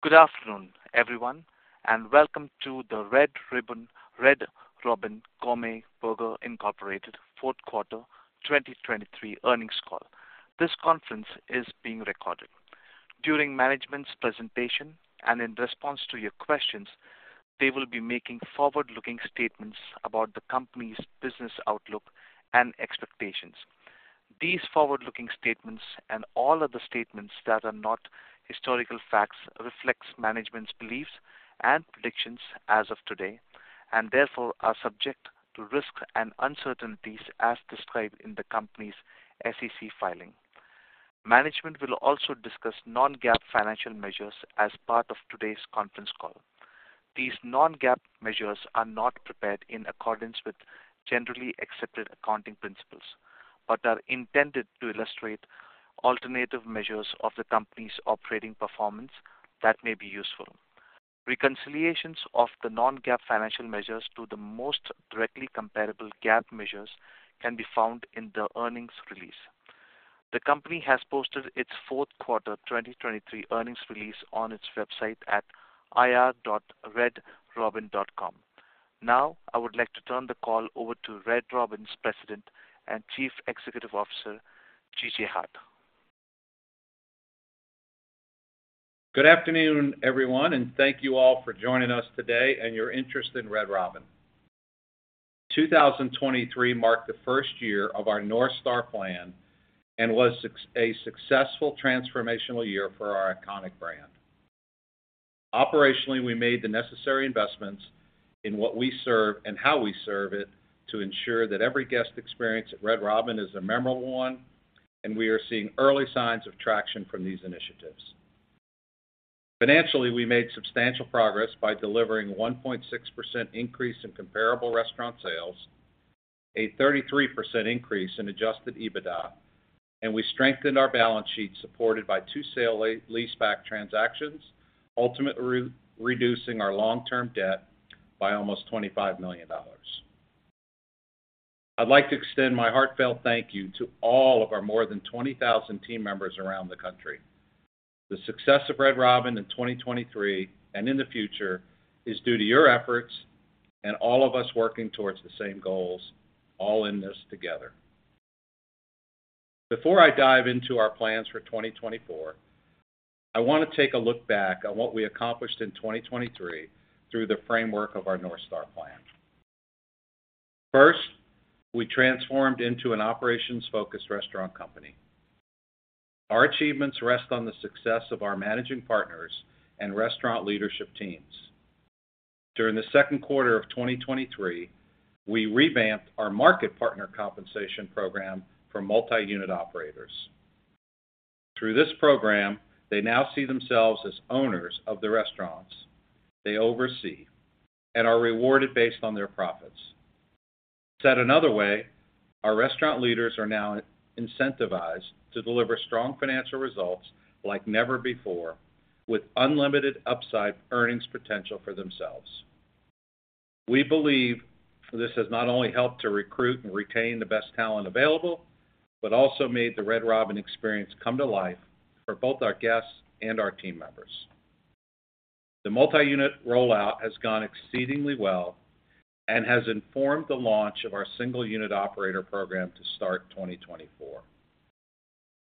Good afternoon, everyone, and welcome to the Red Robin Gourmet Burgers, Inc. fourth quarter 2023 earnings call. This conference is being recorded. During management's presentation and in response to your questions, they will be making forward-looking statements about the company's business outlook and expectations. These forward-looking statements and all other statements that are not historical facts reflect management's beliefs and predictions as of today and therefore are subject to risk and uncertainties as described in the company's SEC filing. Management will also discuss non-GAAP financial measures as part of today's conference call. These non-GAAP measures are not prepared in accordance with generally accepted accounting principles but are intended to illustrate alternative measures of the company's operating performance that may be useful. Reconciliations of the non-GAAP financial measures to the most directly comparable GAAP measures can be found in the earnings release. The company has posted its fourth quarter 2023 earnings release on its website at ir.redrobin.com. Now I would like to turn the call over to Red Robin's President and Chief Executive Officer G.J. Hart. Good afternoon, everyone, and thank you all for joining us today and your interest in Red Robin. 2023 marked the first year of our North Star plan and was a successful transformational year for our iconic brand. Operationally, we made the necessary investments in what we serve and how we serve it to ensure that every guest experience at Red Robin is a memorable one and we are seeing early signs of traction from these initiatives. Financially, we made substantial progress by delivering a 1.6% increase in comparable restaurant sales, a 33% increase in Adjusted EBITDA, and we strengthened our balance sheet supported by two sale-leaseback transactions ultimately reducing our long-term debt by almost $25 million. I'd like to extend my heartfelt thank you to all of our more than 20,000 team members around the country. The success of Red Robin in 2023 and in the future is due to your efforts and all of us working towards the same goals all in this together. Before I dive into our plans for 2024, I want to take a look back at what we accomplished in 2023 through the framework of our North Star plan. First, we transformed into an operations-focused restaurant company. Our achievements rest on the success of our managing partners and restaurant leadership teams. During the second quarter of 2023, we revamped our market partner compensation program for multi-unit operators. Through this program, they now see themselves as owners of the restaurants they oversee and are rewarded based on their profits. Said another way, our restaurant leaders are now incentivized to deliver strong financial results like never before with unlimited upside earnings potential for themselves. We believe this has not only helped to recruit and retain the best talent available but also made the Red Robin experience come to life for both our guests and our team members. The multi-unit rollout has gone exceedingly well and has informed the launch of our single-unit operator program to start 2024.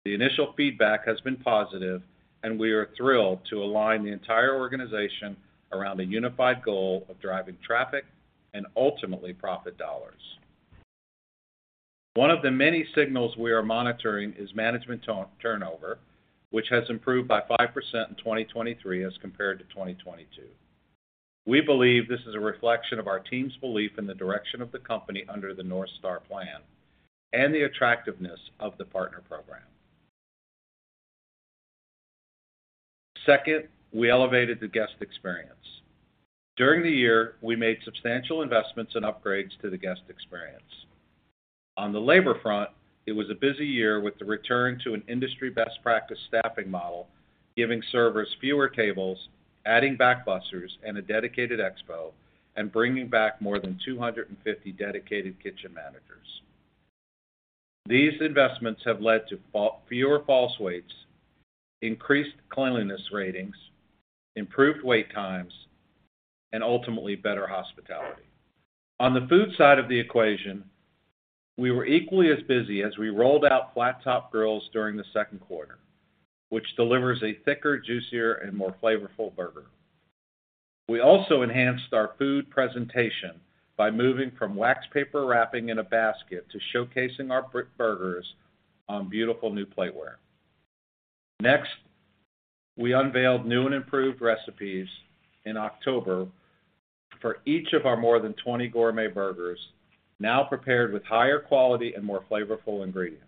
The initial feedback has been positive and we are thrilled to align the entire organization around a unified goal of driving traffic and ultimately profit dollars. One of the many signals we are monitoring is management turnover, which has improved by 5% in 2023 as compared to 2022. We believe this is a reflection of our team's belief in the direction of the company under the North Star plan and the attractiveness of the partner program. Second, we elevated the guest experience. During the year, we made substantial investments and upgrades to the guest experience. On the labor front, it was a busy year with the return to an industry best practice staffing model giving servers fewer tables, adding back bussers and a dedicated expo, and bringing back more than 250 dedicated kitchen managers. These investments have led to fewer false waits, increased cleanliness ratings, improved wait times, and ultimately better hospitality. On the food side of the equation, we were equally as busy as we rolled out flattop grills during the second quarter, which delivers a thicker, juicier, and more flavorful burger. We also enhanced our food presentation by moving from wax paper wrapping in a basket to showcasing our burgers on beautiful new plateware. Next, we unveiled new and improved recipes in October for each of our more than 20 gourmet burgers, now prepared with higher quality and more flavorful ingredients.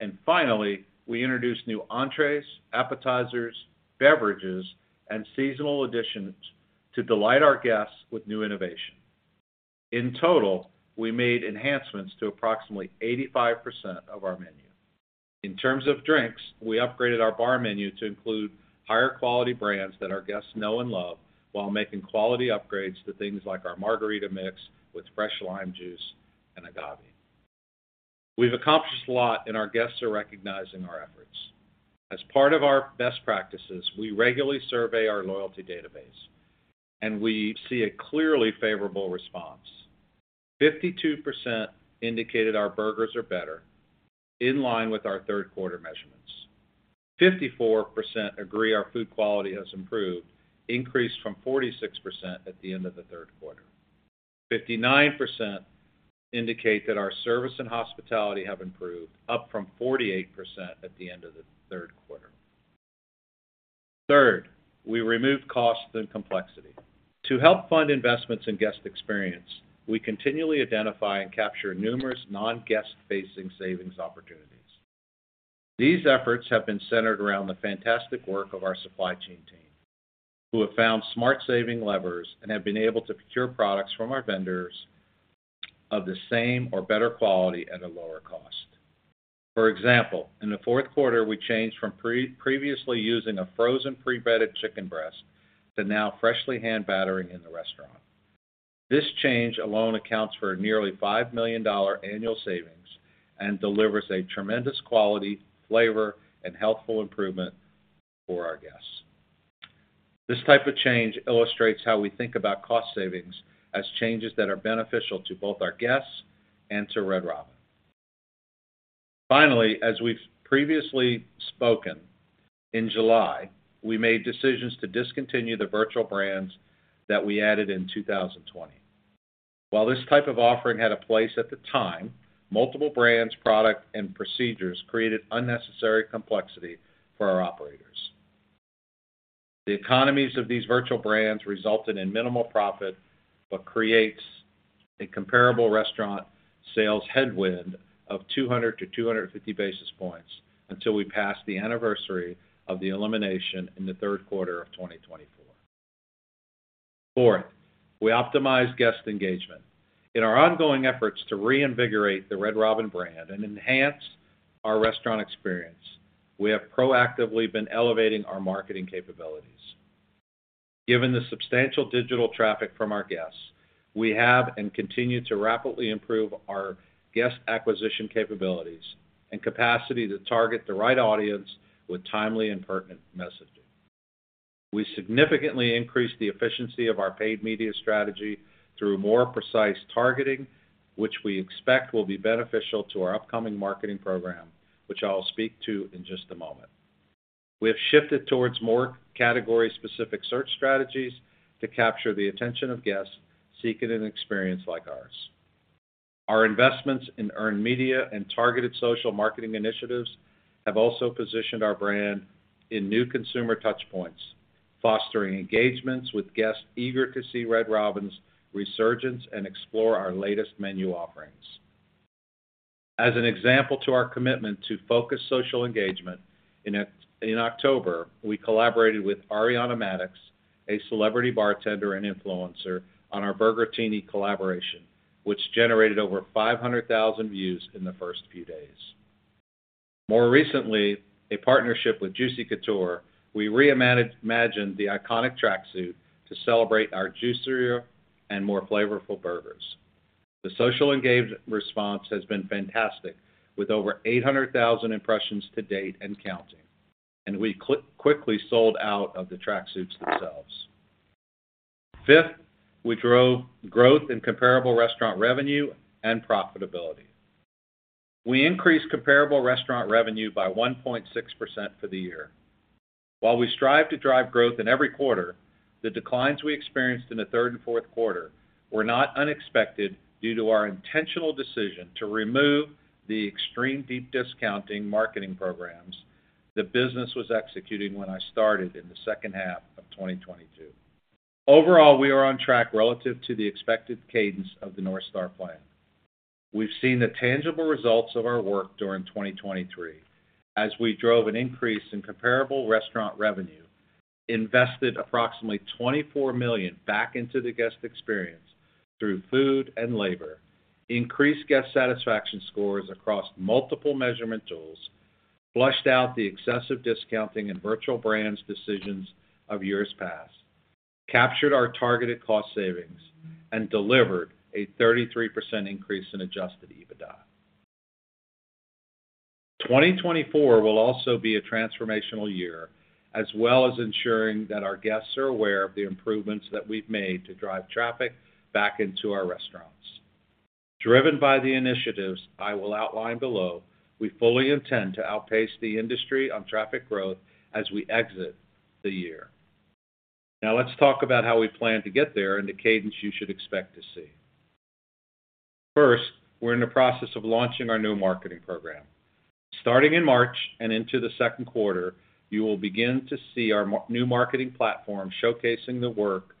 And finally, we introduced new entrées, appetizers, beverages, and seasonal additions to delight our guests with new innovation. In total, we made enhancements to approximately 85% of our menu. In terms of drinks, we upgraded our bar menu to include higher quality brands that our guests know and love while making quality upgrades to things like our margarita mix with fresh lime juice and agave. We've accomplished a lot and our guests are recognizing our efforts. As part of our best practices, we regularly survey our loyalty database and we see a clearly favorable response. 52% indicated our burgers are better, in line with our third quarter measurements. 54% agree our food quality has improved, increased from 46% at the end of the third quarter. 59% indicate that our service and hospitality have improved, up from 48% at the end of the third quarter. Third, we removed costs and complexity. To help fund investments in guest experience, we continually identify and capture numerous non-guest-facing savings opportunities. These efforts have been centered around the fantastic work of our supply chain team, who have found smart saving levers and have been able to procure products from our vendors of the same or better quality at a lower cost. For example, in the fourth quarter, we changed from previously using a frozen pre-breaded chicken breast to now freshly hand battering in the restaurant. This change alone accounts for nearly $5 million annual savings and delivers a tremendous quality, flavor, and healthful improvement for our guests. This type of change illustrates how we think about cost savings as changes that are beneficial to both our guests and to Red Robin. Finally, as we've previously spoken, in July, we made decisions to discontinue the virtual brands that we added in 2020. While this type of offering had a place at the time, multiple brands, products, and procedures created unnecessary complexity for our operators. The economies of these virtual brands resulted in minimal profit but create a comparable restaurant sales headwind of 200-250 basis points until we pass the anniversary of the elimination in the third quarter of 2024. Fourth, we optimized guest engagement. In our ongoing efforts to reinvigorate the Red Robin brand and enhance our restaurant experience, we have proactively been elevating our marketing capabilities. Given the substantial digital traffic from our guests, we have and continue to rapidly improve our guest acquisition capabilities and capacity to target the right audience with timely and pertinent messaging. We significantly increased the efficiency of our paid media strategy through more precise targeting, which we expect will be beneficial to our upcoming marketing program, which I'll speak to in just a moment. We have shifted towards more category-specific search strategies to capture the attention of guests seeking an experience like ours. Our investments in earned media and targeted social marketing initiatives have also positioned our brand in new consumer touchpoints, fostering engagements with guests eager to see Red Robin's resurgence and explore our latest menu offerings. As an example to our commitment to focused social engagement, in October, we collaborated with Ariana Madix, a celebrity bartender and influencer, on our Burgertini collaboration, which generated over 500,000 views in the first few days. More recently, in partnership with Juicy Couture, we reimagined the iconic tracksuit to celebrate our juicier and more flavorful burgers. The social engagement response has been fantastic, with over 800,000 impressions to date and counting, and we quickly sold out of the tracksuits themselves. Fifth, we drove growth in comparable restaurant revenue and profitability. We increased comparable restaurant revenue by 1.6% for the year. While we strive to drive growth in every quarter, the declines we experienced in the third and fourth quarter were not unexpected due to our intentional decision to remove the extreme deep discounting marketing programs the business was executing when I started in the second half of 2022. Overall, we are on track relative to the expected cadence of the North Star plan. We've seen the tangible results of our work during 2023 as we drove an increase in Comparable Restaurant Revenue, invested approximately $24 million back into the guest experience through food and labor, increased guest satisfaction scores across multiple measurement tools, flushed out the excessive discounting and virtual brands decisions of years past, captured our targeted cost savings, and delivered a 33% increase in Adjusted EBITDA. 2024 will also be a transformational year as well as ensuring that our guests are aware of the improvements that we've made to drive traffic back into our restaurants. Driven by the initiatives I will outline below, we fully intend to outpace the industry on traffic growth as we exit the year. Now let's talk about how we plan to get there and the cadence you should expect to see. First, we're in the process of launching our new marketing program. Starting in March and into the second quarter, you will begin to see our new marketing platform showcasing the work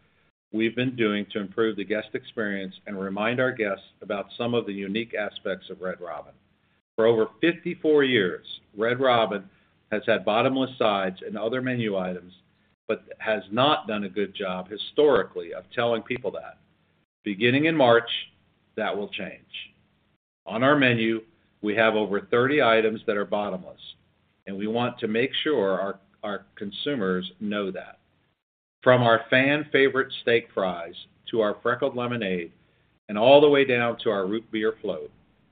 we've been doing to improve the guest experience and remind our guests about some of the unique aspects of Red Robin. For over 54 years, Red Robin has had bottomless sides and other menu items but has not done a good job historically of telling people that. Beginning in March, that will change. On our menu, we have over 30 items that are bottomless, and we want to make sure our consumers know that. From our fan-favorite steak fries to our Freckled Lemonade and all the way down to our Root Beer Float,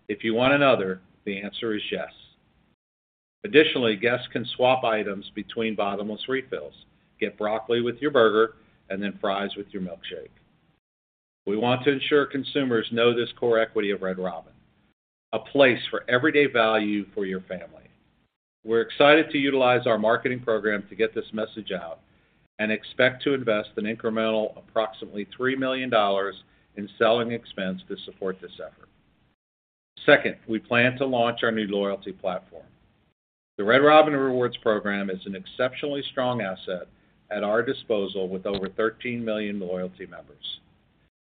if you want another, the answer is yes. Additionally, guests can swap items between bottomless refills, get broccoli with your burger, and then fries with your milkshake. We want to ensure consumers know this core equity of Red Robin: a place for everyday value for your family. We're excited to utilize our marketing program to get this message out and expect to invest an incremental approximately $3 million in selling expense to support this effort. Second, we plan to launch our new loyalty platform. The Red Robin Rewards program is an exceptionally strong asset at our disposal with over 13 million loyalty members.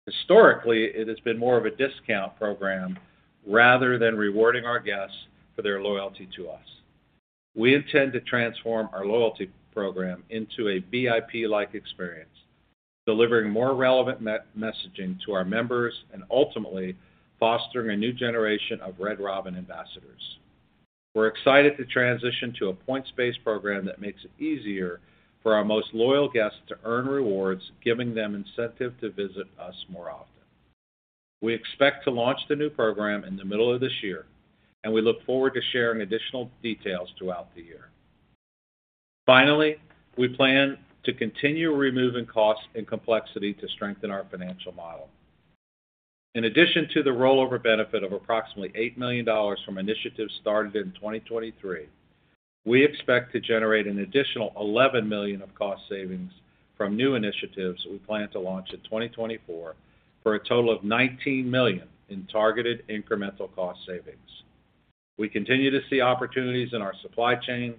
Historically, it has been more of a discount program rather than rewarding our guests for their loyalty to us. We intend to transform our loyalty program into a VIP-like experience, delivering more relevant messaging to our members and ultimately fostering a new generation of Red Robin ambassadors. We're excited to transition to a points-based program that makes it easier for our most loyal guests to earn rewards, giving them incentive to visit us more often. We expect to launch the new program in the middle of this year, and we look forward to sharing additional details throughout the year. Finally, we plan to continue removing costs and complexity to strengthen our financial model. In addition to the rollover benefit of approximately $8 million from initiatives started in 2023, we expect to generate an additional $11 million of cost savings from new initiatives we plan to launch in 2024 for a total of $19 million in targeted incremental cost savings. We continue to see opportunities in our supply chain,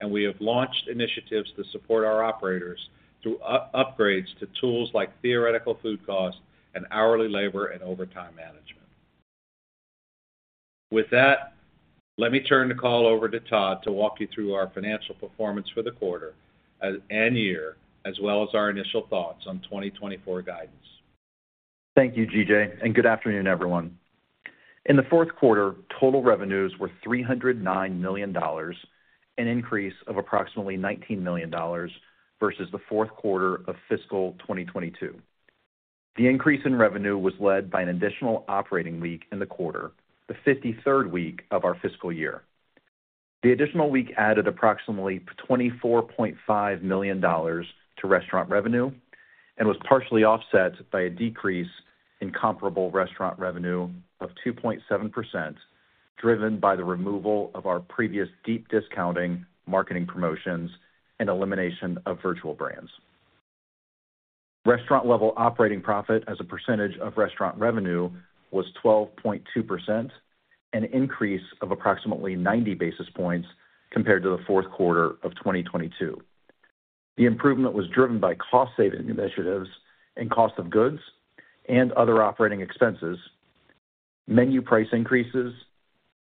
and we have launched initiatives to support our operators through upgrades to tools like theoretical food cost and hourly labor and overtime management. With that, let me turn the call over to Todd to walk you through our financial performance for the quarter and year as well as our initial thoughts on 2024 guidance. Thank you, G.J., and good afternoon, everyone. In the fourth quarter, total revenues were $309 million, an increase of approximately $19 million versus the fourth quarter of fiscal 2022. The increase in revenue was led by an additional operating week in the quarter, the 53rd week of our fiscal year. The additional week added approximately $24.5 million to restaurant revenue and was partially offset by a decrease in comparable restaurant revenue of 2.7% driven by the removal of our previous deep discounting marketing promotions and elimination of virtual brands. Restaurant-level operating profit as a percentage of restaurant revenue was 12.2%, an increase of approximately 90 basis points compared to the fourth quarter of 2022. The improvement was driven by cost saving initiatives in cost of goods and other operating expenses, menu price increases,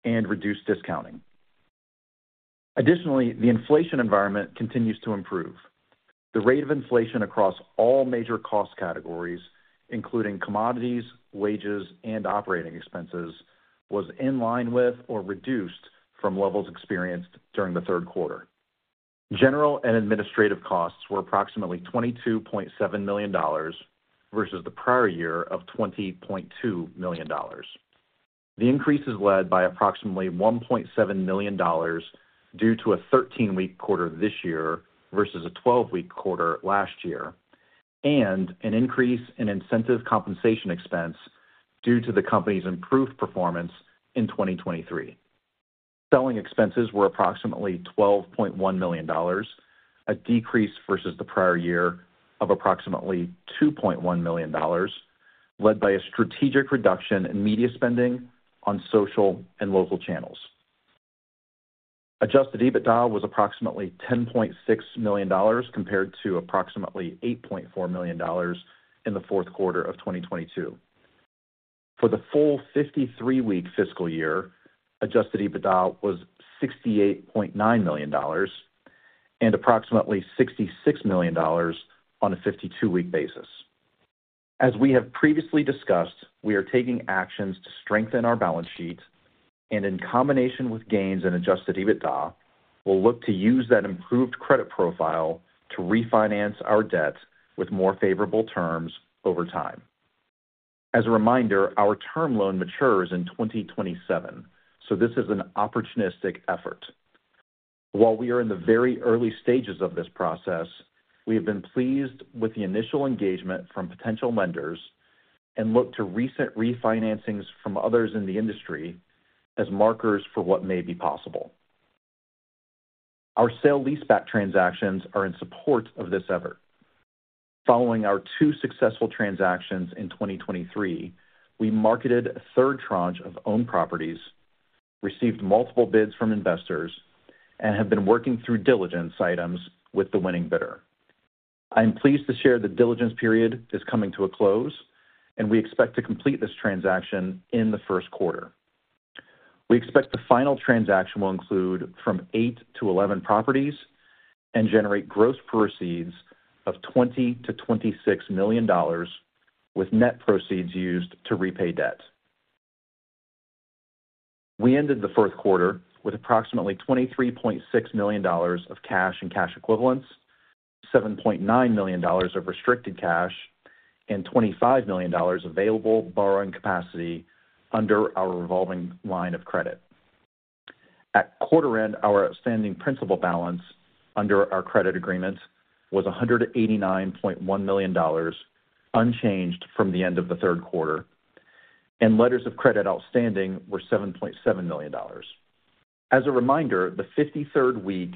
and reduced discounting. Additionally, the inflation environment continues to improve. The rate of inflation across all major cost categories, including commodities, wages, and operating expenses, was in line with or reduced from levels experienced during the third quarter. General and administrative costs were approximately $22.7 million versus the prior year of $20.2 million. The increase is led by approximately $1.7 million due to a 13-week quarter this year versus a 12-week quarter last year, and an increase in incentive compensation expense due to the company's improved performance in 2023. Selling expenses were approximately $12.1 million, a decrease versus the prior year of approximately $2.1 million, led by a strategic reduction in media spending on social and local channels. Adjusted EBITDA was approximately $10.6 million compared to approximately $8.4 million in the fourth quarter of 2022. For the full 53-week fiscal year, adjusted EBITDA was $68.9 million and approximately $66 million on a 52-week basis. As we have previously discussed, we are taking actions to strengthen our balance sheet, and in combination with gains in adjusted EBITDA, we'll look to use that improved credit profile to refinance our debt with more favorable terms over time. As a reminder, our term loan matures in 2027, so this is an opportunistic effort. While we are in the very early stages of this process, we have been pleased with the initial engagement from potential lenders and look to recent refinancings from others in the industry as markers for what may be possible. Our sale-leaseback transactions are in support of this effort. Following our two successful transactions in 2023, we marketed a third tranche of owned properties, received multiple bids from investors, and have been working through diligence items with the winning bidder. I am pleased to share the diligence period is coming to a close, and we expect to complete this transaction in the first quarter. We expect the final transaction will include 8-11 properties and generate gross proceeds of $20 million-$26 million with net proceeds used to repay debt. We ended the fourth quarter with approximately $23.6 million of cash and cash equivalents, $7.9 million of restricted cash, and $25 million available borrowing capacity under our revolving line of credit. At quarter-end, our outstanding principal balance under our credit agreement was $189.1 million unchanged from the end of the third quarter, and letters of credit outstanding were $7.7 million. As a reminder, the 53rd week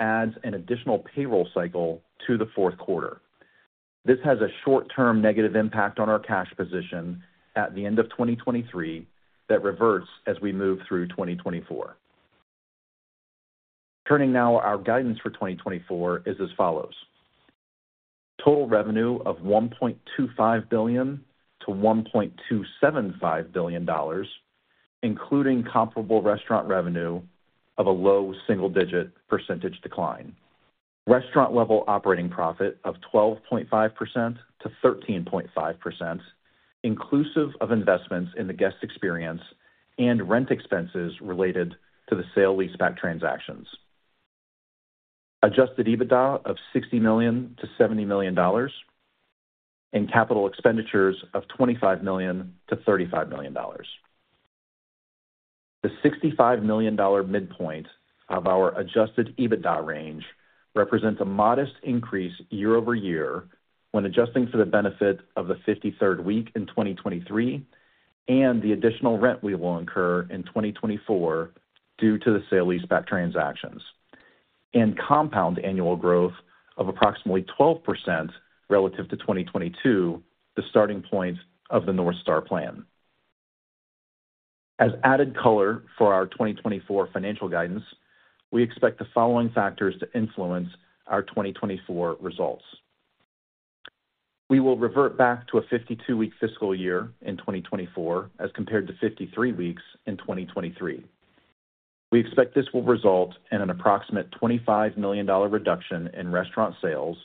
adds an additional payroll cycle to the fourth quarter. This has a short-term negative impact on our cash position at the end of 2023 that reverts as we move through 2024. Turning now, our guidance for 2024 is as follows: total revenue of $1.25 billion-$1.275 billion, including comparable restaurant revenue of a low single-digit % decline. Restaurant-level operating profit of 12.5%-13.5%, inclusive of investments in the guest experience and rent expenses related to the sale-leaseback transactions. Adjusted EBITDA of $60 million-$70 million. And capital expenditures of $25 million-$35 million. The $65 million midpoint of our adjusted EBITDA range represents a modest increase year-over-year when adjusting for the benefit of the 53rd week in 2023 and the additional rent we will incur in 2024 due to the sale-leaseback transactions, and compound annual growth of approximately 12% relative to 2022, the starting point of the North Star plan. As added color for our 2024 financial guidance, we expect the following factors to influence our 2024 results. We will revert back to a 52-week fiscal year in 2024 as compared to 53 weeks in 2023. We expect this will result in an approximate $25 million reduction in restaurant sales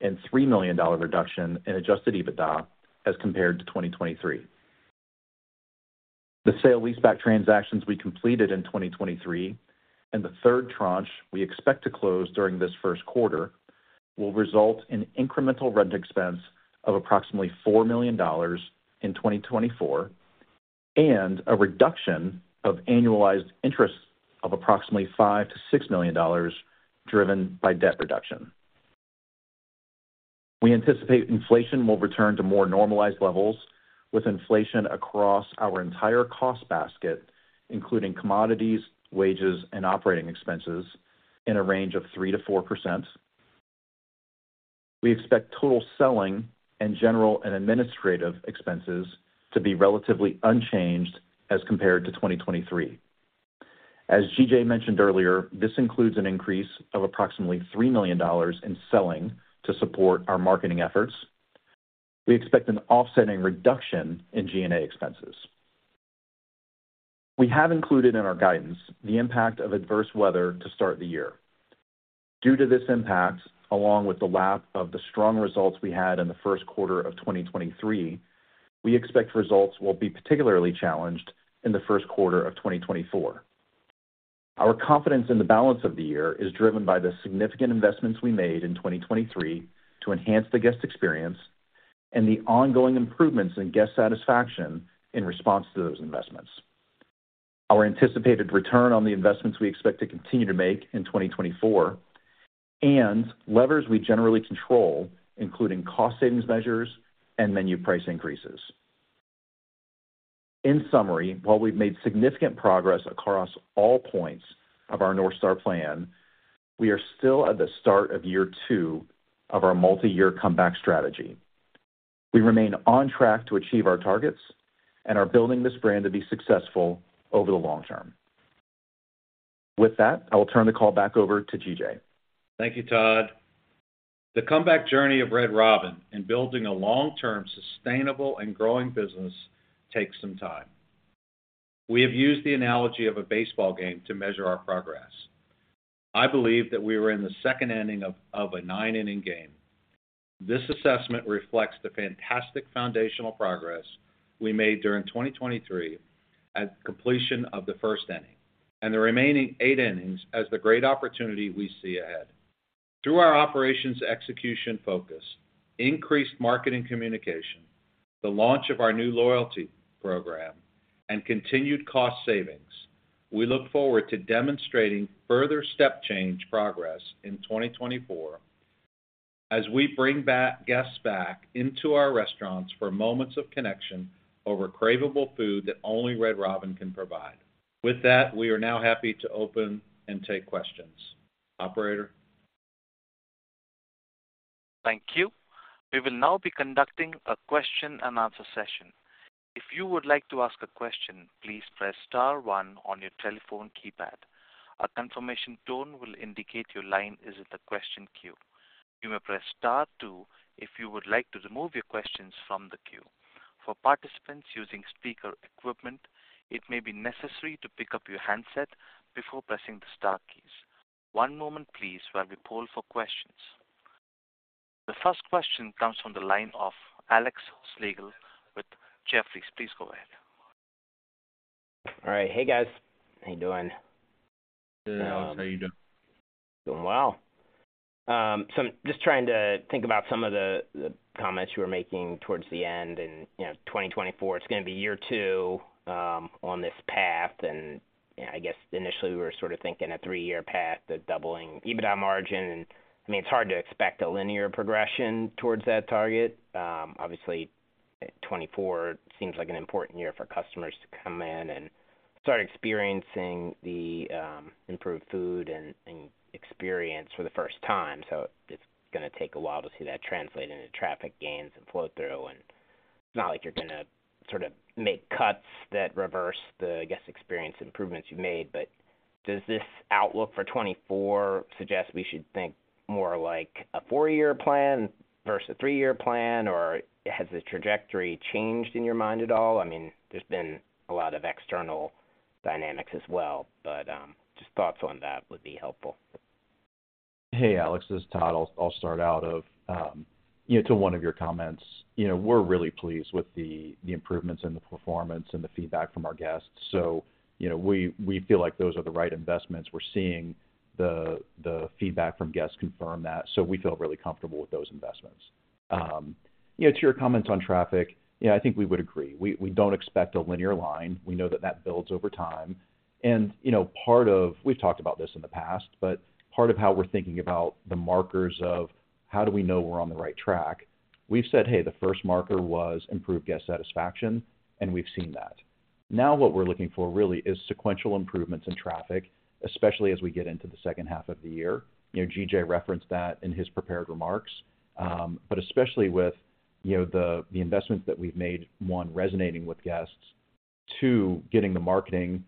and $3 million reduction in adjusted EBITDA as compared to 2023. The sale-leaseback transactions we completed in 2023 and the third tranche we expect to close during this first quarter will result in incremental rent expense of approximately $4 million in 2024 and a reduction of annualized interest of approximately $5 million-$6 million driven by debt reduction. We anticipate inflation will return to more normalized levels with inflation across our entire cost basket, including commodities, wages, and operating expenses, in a range of 3%-4%. We expect total selling and general and administrative expenses to be relatively unchanged as compared to 2023. As G.J. mentioned earlier, this includes an increase of approximately $3 million in selling to support our marketing efforts. We expect an offsetting reduction in G&A expenses. We have included in our guidance the impact of adverse weather to start the year. Due to this impact, along with the lack of the strong results we had in the first quarter of 2023, we expect results will be particularly challenged in the first quarter of 2024. Our confidence in the balance of the year is driven by the significant investments we made in 2023 to enhance the guest experience and the ongoing improvements in guest satisfaction in response to those investments, our anticipated return on the investments we expect to continue to make in 2024, and levers we generally control, including cost savings measures and menu price increases. In summary, while we've made significant progress across all points of our North Star plan, we are still at the start of year two of our multi-year comeback strategy. We remain on track to achieve our targets and are building this brand to be successful over the long term. With that, I will turn the call back over to G.J. Thank you, Todd. The comeback journey of Red Robin in building a long-term, sustainable, and growing business takes some time. We have used the analogy of a baseball game to measure our progress. I believe that we were in the second inning of a nine-inning game. This assessment reflects the fantastic foundational progress we made during 2023 at completion of the first inning and the remaining eight innings as the great opportunity we see ahead. Through our operations execution focus, increased marketing communication, the launch of our new loyalty program, and continued cost savings, we look forward to demonstrating further step-change progress in 2024 as we bring guests back into our restaurants for moments of connection over cravable food that only Red Robin can provide. With that, we are now happy to open and take questions. Operator. Thank you. We will now be conducting a question-and-answer session. If you would like to ask a question, please press star one on your telephone keypad. A confirmation tone will indicate your line is at the question queue. You may press star two if you would like to remove your questions from the queue. For participants using speaker equipment, it may be necessary to pick up your handset before pressing the star keys. One moment, please, while we pull for questions. The first question comes from the line of Alex Slagle with Jefferies. Please go ahead. All right. Hey, guys. How you doing? Good. How are you doing? Doing well. So I'm just trying to think about some of the comments you were making towards the end in 2024. It's going to be year two on this path, and I guess initially we were sort of thinking a three-year path, the doubling EBITDA margin. And I mean, it's hard to expect a linear progression towards that target. Obviously, 2024 seems like an important year for customers to come in and start experiencing the improved food and experience for the first time. So it's going to take a while to see that translate into traffic gains and flow through. And it's not like you're going to sort of make cuts that reverse the guest experience improvements you've made. But does this outlook for 2024 suggest we should think more like a four-year plan versus a three-year plan, or has the trajectory changed in your mind at all? I mean, there's been a lot of external dynamics as well, but just thoughts on that would be helpful. Hey, Alex. This is Todd. I'll start by addressing one of your comments. We're really pleased with the improvements in the performance and the feedback from our guests. We feel like those are the right investments. We're seeing the feedback from guests confirm that, so we feel really comfortable with those investments. To your comments on traffic, I think we would agree. We don't expect a linear line. We know that that builds over time. We've talked about this in the past, but part of how we're thinking about the markers of how do we know we're on the right track, we've said, "Hey, the first marker was improved guest satisfaction, and we've seen that." Now what we're looking for really is sequential improvements in traffic, especially as we get into the second half of the year. GJ referenced that in his prepared remarks, but especially with the investments that we've made, one, resonating with guests, two, getting the marketing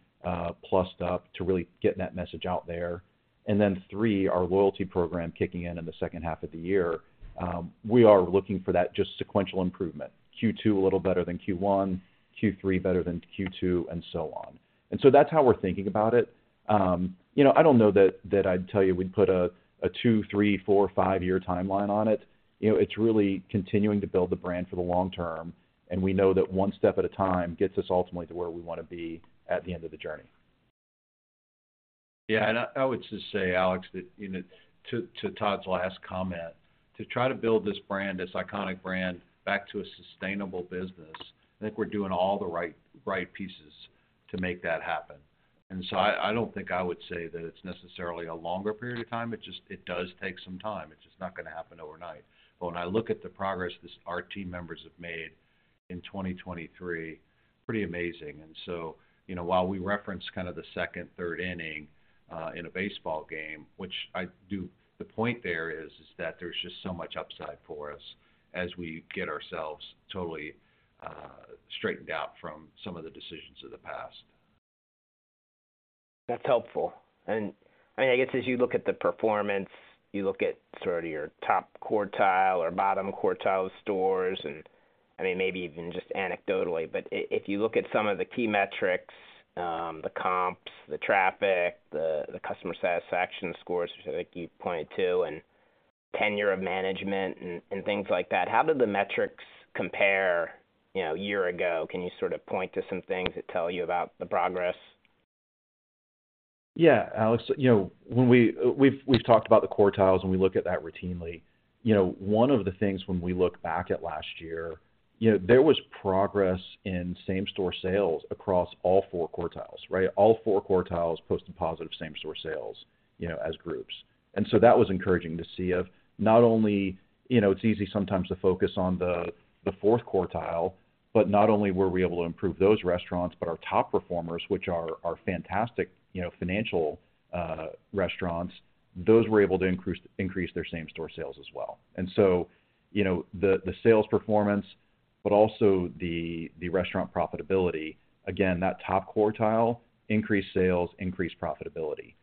plussed up to really get that message out there, and then three, our loyalty program kicking in in the second half of the year. We are looking for that just sequential improvement, Q2 a little better than Q1, Q3 better than Q2, and so on. And so that's how we're thinking about it. I don't know that I'd tell you we'd put a two, three, four, five-year timeline on it. It's really continuing to build the brand for the long term, and we know that one step at a time gets us ultimately to where we want to be at the end of the journey. Yeah. And I would just say, Alex, that to Todd's last comment, to try to build this brand, this iconic brand, back to a sustainable business, I think we're doing all the right pieces to make that happen. And so I don't think I would say that it's necessarily a longer period of time. It does take some time. It's just not going to happen overnight. But when I look at the progress our team members have made in 2023, pretty amazing. And so while we reference kind of the second, third inning in a baseball game, which I do, the point there is that there's just so much upside for us as we get ourselves totally straightened out from some of the decisions of the past. That's helpful. And I mean, I guess as you look at the performance, you look at sort of your top quartile or bottom quartile stores and I mean, maybe even just anecdotally, but if you look at some of the key metrics, the comps, the traffic, the customer satisfaction scores, which I think you pointed to, and tenure of management and things like that, how did the metrics compare year ago? Can you sort of point to some things that tell you about the progress? Yeah, Alex. We've talked about the quartiles, and we look at that routinely. One of the things when we look back at last year, there was progress in same-store sales across all four quartiles, right? All four quartiles posted positive same-store sales as groups. And so that was encouraging to see of not only it's easy sometimes to focus on the fourth quartile, but not only were we able to improve those restaurants, but our top performers, which are fantastic financial restaurants, those were able to increase their same-store sales as well. And so the sales performance, but also the restaurant profitability, again, that top quartile, increased sales, increased profitability.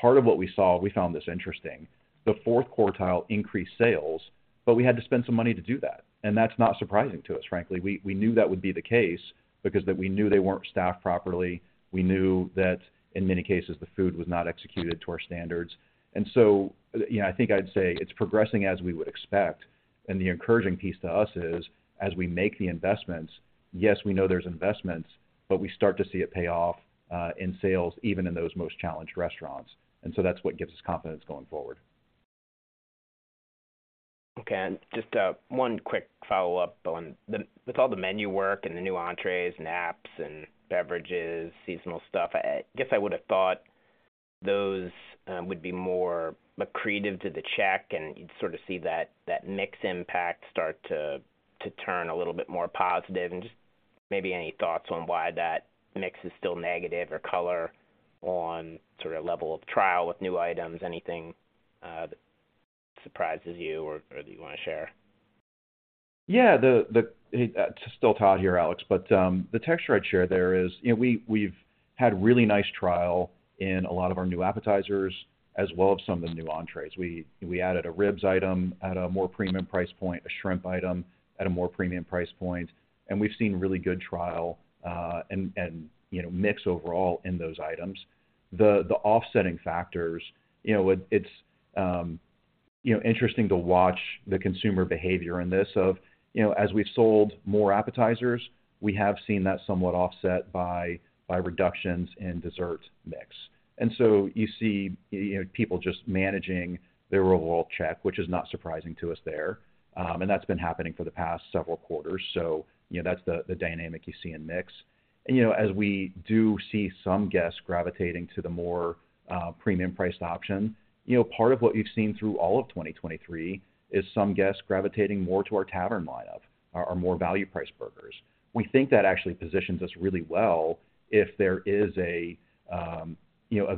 Part of what we saw, we found this interesting, the fourth quartile increased sales, but we had to spend some money to do that. And that's not surprising to us, frankly. We knew that would be the case because we knew they weren't staffed properly. We knew that, in many cases, the food was not executed to our standards. And so I think I'd say it's progressing as we would expect. The encouraging piece to us is, as we make the investments, yes, we know there's investments, but we start to see it pay off in sales, even in those most challenged restaurants. So that's what gives us confidence going forward. Okay. Just one quick follow-up on with all the menu work and the new entrées and apps and beverages, seasonal stuff, I guess I would have thought those would be more accretive to the check, and you'd sort of see that mix impact start to turn a little bit more positive. Just maybe any thoughts on why that mix is still negative or color on sort of level of trial with new items, anything that surprises you or that you want to share? Yeah. It's still Todd here, Alex, but the texture I'd share there is we've had really nice trial in a lot of our new appetizers as well as some of the new entrées. We added a ribs item at a more premium price point, a shrimp item at a more premium price point, and we've seen really good trial and mix overall in those items. The offsetting factors, it's interesting to watch the consumer behavior in this of, as we've sold more appetizers, we have seen that somewhat offset by reductions in dessert mix. And so you see people just managing their overall check, which is not surprising to us there. And that's been happening for the past several quarters. So that's the dynamic you see in mix. As we do see some guests gravitating to the more premium-priced option, part of what you've seen through all of 2023 is some guests gravitating more to our tavern lineup, our more value-priced burgers. We think that actually positions us really well if there is a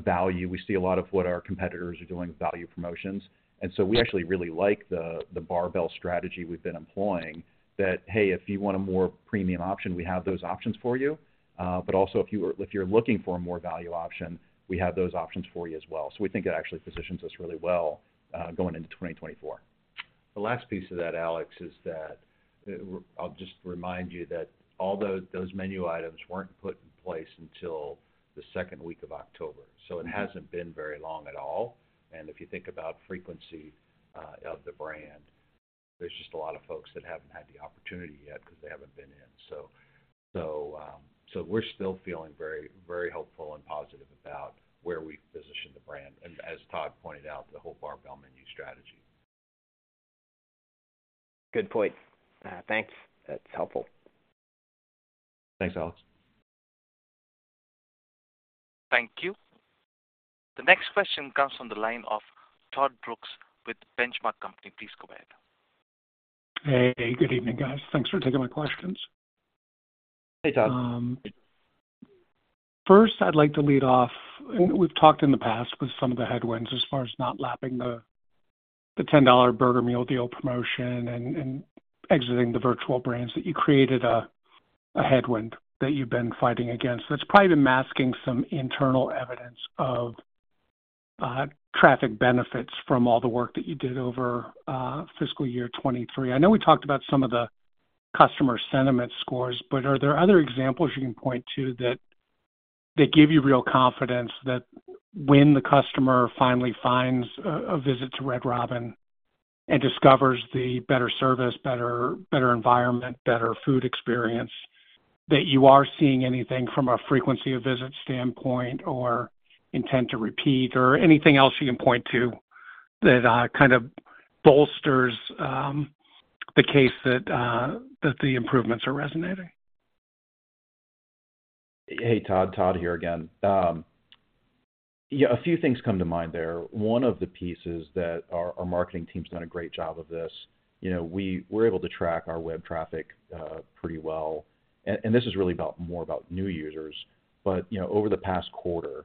value. We see a lot of what our competitors are doing, value promotions. And so we actually really like the barbell strategy we've been employing that, "Hey, if you want a more premium option, we have those options for you. But also, if you're looking for a more value option, we have those options for you as well." So we think it actually positions us really well going into 2024. The last piece of that, Alex, is that I'll just remind you that although those menu items weren't put in place until the second week of October, so it hasn't been very long at all. If you think about frequency of the brand, there's just a lot of folks that haven't had the opportunity yet because they haven't been in. We're still feeling very, very hopeful and positive about where we've positioned the brand and, as Todd pointed out, the whole barbell menu strategy. Good point. Thanks. That's helpful. Thanks, Alex. Thank you. The next question comes from the line of Todd Brooks with Benchmark Company. Please go ahead. Hey. Good evening, guys. Thanks for taking my questions. Hey, Todd. First, I'd like to lead off and we've talked in the past with some of the headwinds as far as not lapping the $10 burger meal deal promotion and exiting the virtual brands, that you created a headwind that you've been fighting against that's probably been masking some internal evidence of traffic benefits from all the work that you did over fiscal year 2023. I know we talked about some of the customer sentiment scores, but are there other examples you can point to that give you real confidence that when the customer finally finds a visit to Red Robin and discovers the better service, better environment, better food experience, that you are seeing anything from a frequency of visit standpoint or intent to repeat or anything else you can point to that kind of bolsters the case that the improvements are resonating? Hey, Todd. Todd here again. A few things come to mind there. One of the pieces that our marketing team's done a great job of, this: we're able to track our web traffic pretty well. And this is really more about new users. But over the past quarter or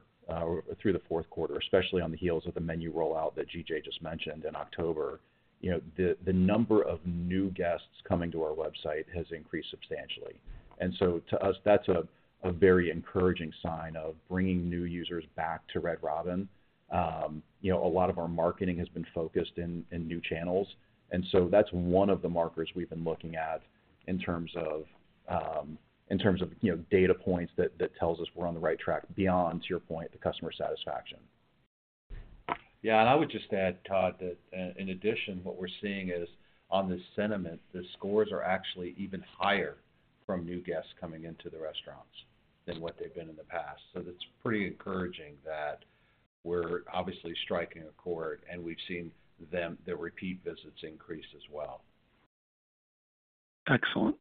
through the fourth quarter, especially on the heels of the menu rollout that GJ just mentioned in October, the number of new guests coming to our website has increased substantially. And so to us, that's a very encouraging sign of bringing new users back to Red Robin. A lot of our marketing has been focused in new channels. And so that's one of the markers we've been looking at in terms of data points that tells us we're on the right track beyond, to your point, the customer satisfaction. Yeah. And I would just add, Todd, that in addition, what we're seeing is on the sentiment, the scores are actually even higher from new guests coming into the restaurants than what they've been in the past. So that's pretty encouraging that we're obviously striking a chord, and we've seen their repeat visits increase as well. Excellent.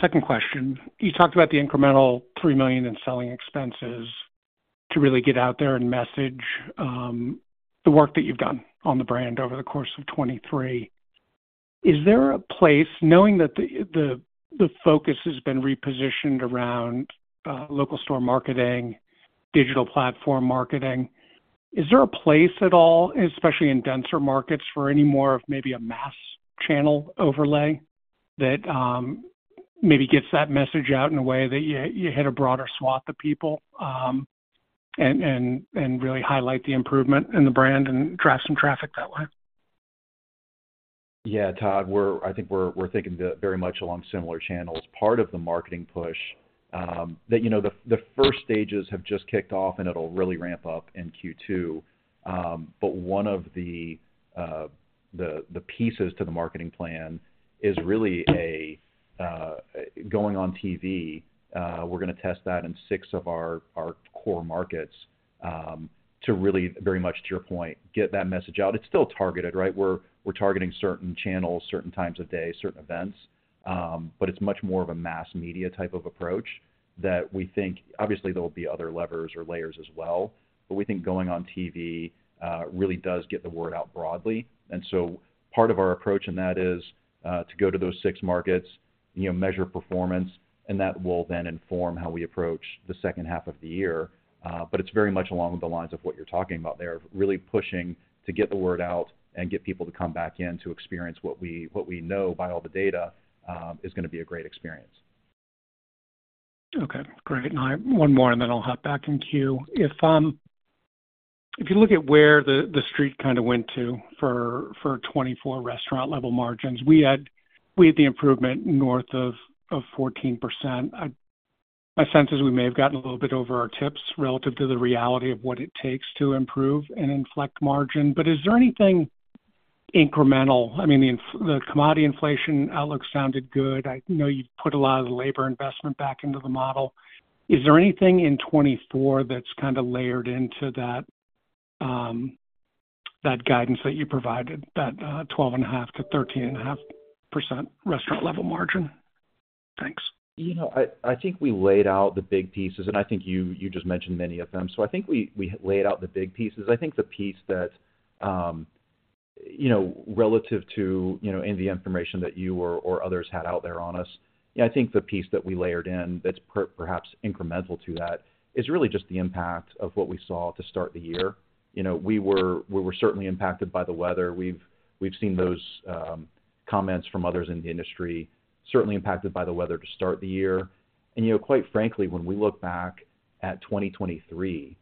Second question. You talked about the incremental $3 million in selling expenses to really get out there and message the work that you've done on the brand over the course of 2023. Is there a place, knowing that the focus has been repositioned around local store marketing, digital platform marketing, is there a place at all, especially in denser markets, for any more of maybe a mass channel overlay that maybe gets that message out in a way that you hit a broader swath of people and really highlight the improvement in the brand and draw some traffic that way? Yeah, Todd. I think we're thinking very much along similar channels. Part of the marketing push, the first stages have just kicked off, and it'll really ramp up in Q2. But one of the pieces to the marketing plan is really going on TV. We're going to test that in six of our core markets to really, very much to your point, get that message out. It's still targeted, right? We're targeting certain channels, certain times of day, certain events. But it's much more of a mass media type of approach that we think obviously, there will be other levers or layers as well. But we think going on TV really does get the word out broadly. And so part of our approach in that is to go to those six markets, measure performance, and that will then inform how we approach the second half of the year. But it's very much along the lines of what you're talking about there, of really pushing to get the word out and get people to come back in to experience what we know by all the data is going to be a great experience. Okay. Great. And one more, and then I'll hop back in queue. If you look at where the streak kind of went to for 2024 restaurant-level margins, we had the improvement north of 14%. My sense is we may have gotten a little bit over our tips relative to the reality of what it takes to improve and inflect margin. But is there anything incremental? I mean, the commodity inflation outlook sounded good. I know you've put a lot of the labor investment back into the model. Is there anything in 2024 that's kind of layered into that guidance that you provided, that 12.5%-13.5% restaurant-level margin? Thanks. I think we laid out the big pieces, and I think you just mentioned many of them. So I think we laid out the big pieces. I think the piece that relative to any of the information that you or others had out there on us, I think the piece that we layered in that's perhaps incremental to that is really just the impact of what we saw to start the year. We were certainly impacted by the weather. We've seen those comments from others in the industry, certainly impacted by the weather to start the year. And quite frankly, when we look back at 2023,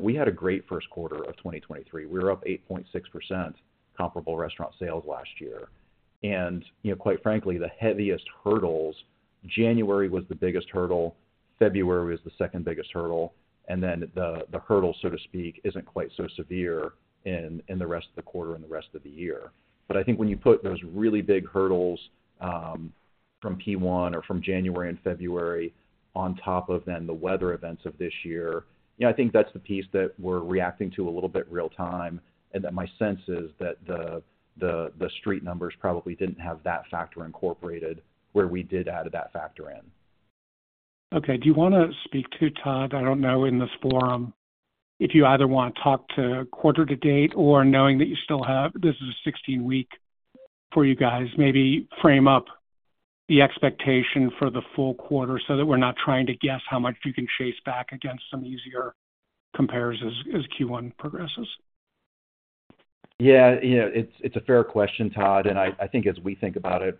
we had a great first quarter of 2023. We were up 8.6% comparable restaurant sales last year. And quite frankly, the heaviest hurdles, January was the biggest hurdle, February was the second biggest hurdle, and then the hurdle, so to speak, isn't quite so severe in the rest of the quarter and the rest of the year. But I think when you put those really big hurdles from P1 or from January and February on top of then the weather events of this year, I think that's the piece that we're reacting to a little bit real-time. And my sense is that the street numbers probably didn't have that factor incorporated where we did add that factor in. Okay. Do you want to speak to Todd? I don't know in this forum if you either want to talk to quarter to date or knowing that you still have this is a 16-week for you guys, maybe frame up the expectation for the full quarter so that we're not trying to guess how much you can chase back against some easier compares as Q1 progresses? Yeah. It's a fair question, Todd. And I think as we think about it,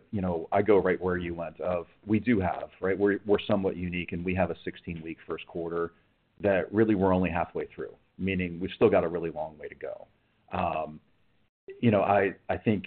I go right where you went in that we do have, right? We're somewhat unique, and we have a 16-week first quarter that really we're only halfway through, meaning we've still got a really long way to go. I think,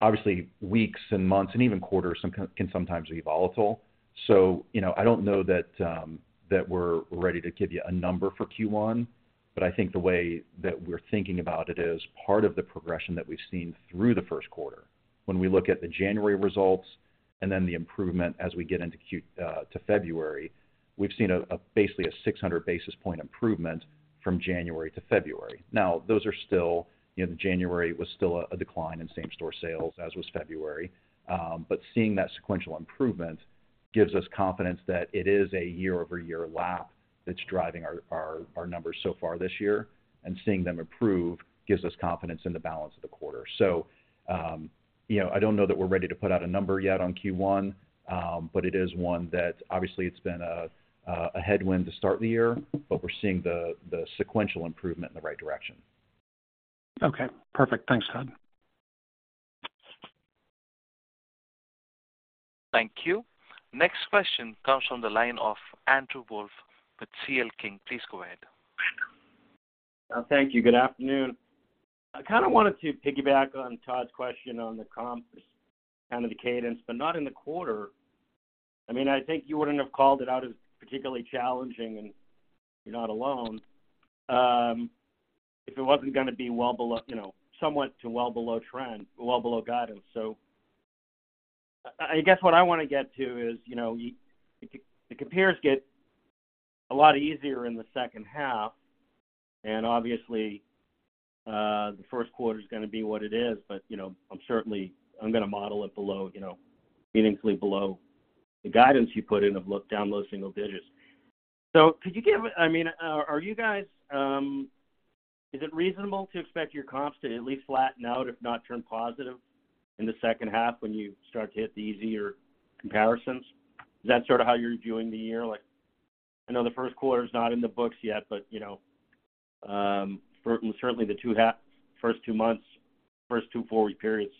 obviously, weeks and months and even quarters can sometimes be volatile. So I don't know that we're ready to give you a number for Q1, but I think the way that we're thinking about it is part of the progression that we've seen through the first quarter. When we look at the January results and then the improvement as we get into February, we've seen basically a 600 basis point improvement from January to February. Now, those are still. The January was still a decline in same-store sales as was February. But seeing that sequential improvement gives us confidence that it is a year-over-year lap that's driving our numbers so far this year. And seeing them improve gives us confidence in the balance of the quarter. So I don't know that we're ready to put out a number yet on Q1, but it is one that obviously, it's been a headwind to start the year, but we're seeing the sequential improvement in the right direction. Okay. Perfect. Thanks, Todd. Thank you. Next question comes from the line of Andrew Wolf with C.L. King. Please go ahead. Thank you. Good afternoon. I kind of wanted to piggyback on Todd's question on the comps, kind of the cadence, but not in the quarter. I mean, I think you wouldn't have called it out as particularly challenging, and you're not alone, if it wasn't going to be somewhat to well below trend, well below guidance. So I guess what I want to get to is the compares get a lot easier in the second half. And obviously, the first quarter's going to be what it is, but I'm certainly I'm going to model it meaningfully below the guidance you put in of down those single digits. So could you give? I mean, are you guys is it reasonable to expect your comps to at least flatten out, if not turn positive, in the second half when you start to hit the easier comparisons? Is that sort of how you're viewing the year? I know the first quarter's not in the books yet, but certainly, the first 2 months, first 2 four-week periods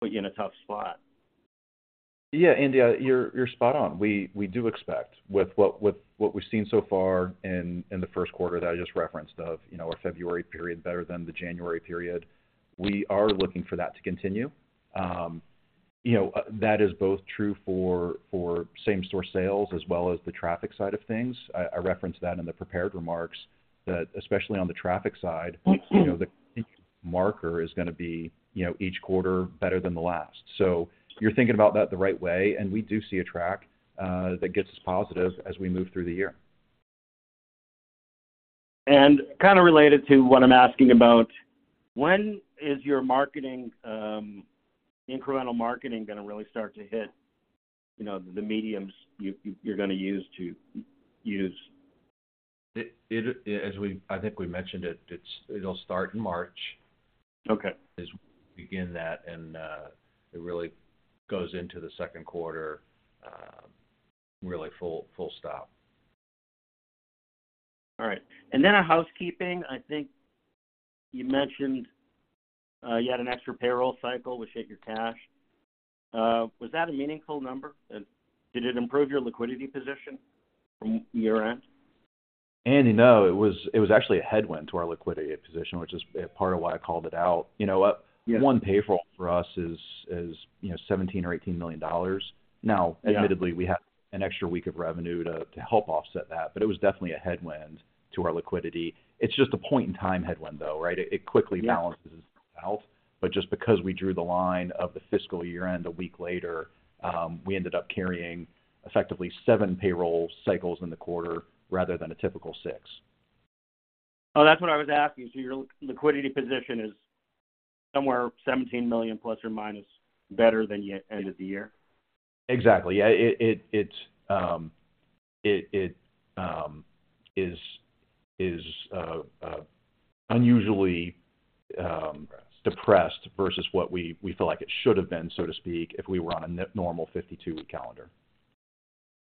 put you in a tough spot. Yeah, Andy, you're spot on. We do expect, with what we've seen so far in the first quarter that I just referenced of our February period better than the January period, we are looking for that to continue. That is both true for same-store sales as well as the traffic side of things. I referenced that in the prepared remarks that especially on the traffic side, the marker is going to be each quarter better than the last. So you're thinking about that the right way, and we do see a track that gets us positive as we move through the year. And kind of related to what I'm asking about, when is your incremental marketing going to really start to hit the media you're going to use to use? I think we mentioned it. It'll start in March. As we begin that, and it really goes into the second quarter really full stop. All right. And then on housekeeping, I think you mentioned you had an extra payroll cycle with Shake Your Cash. Was that a meaningful number? Did it improve your liquidity position from year-end? Andy, no. It was actually a headwind to our liquidity position, which is part of why I called it out. One payroll for us is $17 million or $18 million. Now, admittedly, we had an extra week of revenue to help offset that, but it was definitely a headwind to our liquidity. It's just a point-in-time headwind, though, right? It quickly balances out. But just because we drew the line of the fiscal year-end a week later, we ended up carrying effectively 7 payroll cycles in the quarter rather than a typical 6. Oh, that's what I was asking. So your liquidity position is somewhere $17 million plus or minus better than you ended the year? Exactly. Yeah. It is unusually depressed versus what we feel like it should have been, so to speak, if we were on a normal 52-week calendar.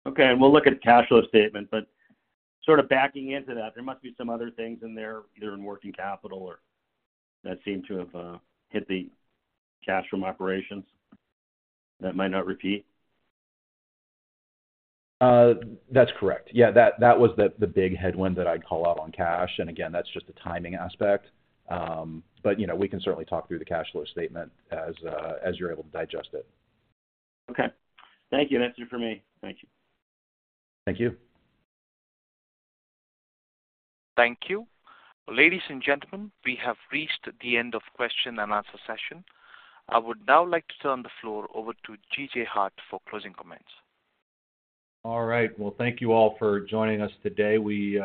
Okay. And we'll look at the cash flow statement. But sort of backing into that, there must be some other things in there, either in working capital or that seem to have hit the cash from operations that might not repeat? That's correct. Yeah. That was the big headwind that I'd call out on cash. And again, that's just a timing aspect. But we can certainly talk through the cash flow statement as you're able to digest it. Okay. Thank you. An answer for me. Thank you. Thank you. Thank you. Ladies and gentlemen, we have reached the end of question-and-answer session. I would now like to turn the floor over to G.J. Hart for closing comments. All right. Well, thank you all for joining us today. We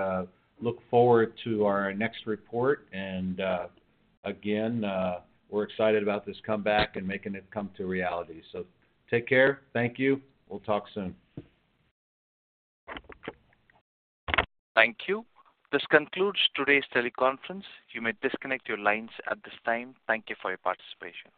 look forward to our next report. And again, we're excited about this comeback and making it come to reality. So take care. Thank you. We'll talk soon. Thank you. This concludes today's teleconference. You may disconnect your lines at this time. Thank you for your participation.